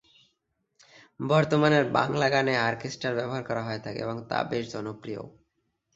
বর্তমানে বাংলা গানে অর্কেস্ট্রার ব্যবহার হয়ে থাকে এবং তা বেশ জনপ্রিয়ও।